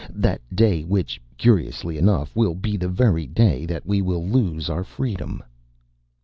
That day which, curiously enough, will be the very day that we will lose our freedom."